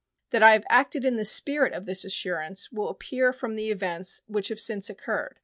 That I have acted in the spirit of this assurance will appear from the events which have since occurred.